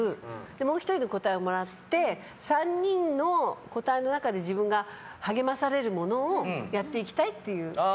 もう１人の答えをもらって３人の答えの中で、自分が励まされるものをやっていきたいっていう。